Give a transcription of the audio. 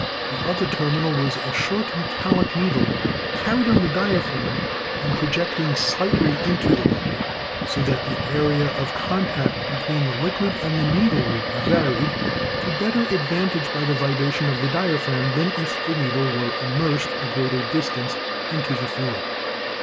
The other terminal was a short THE TELEPHONE 269 metallic needle, carried on the diaphragm, and projecting slightly into the liquid, so that the area of contact between the liquid and the needle would be varied to better advan tage by the vibration of the diaphragm than if the needle were immersed a greater distance into the fluid.